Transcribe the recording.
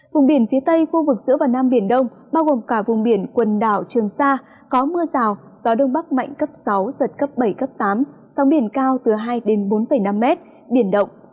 vùng biển phía tây khu vực giữa và nam biển đông bao gồm cả vùng biển quần đảo trường sa có mưa rào gió đông bắc mạnh cấp sáu giật cấp bảy cấp tám sóng biển cao từ hai đến bốn năm mét biển động